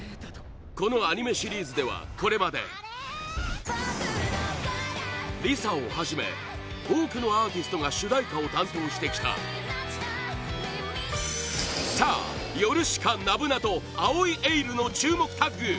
このアニメシリーズではこれまでＬｉＳＡをはじめ多くのアーティストが主題歌を担当してきたさあ、ヨルシカｎ‐ｂｕｎａと藍井エイルの注目タッグ